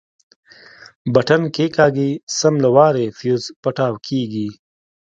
بټن کښېکاږي سم له وارې فيوز پټاو کېږي.